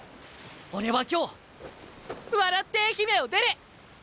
俺は今日笑って愛媛を出る！